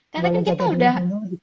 karena kan kita udah